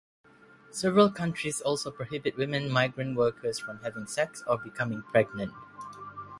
Several countries also prohibit women migrant workers from having sex or becoming pregnant.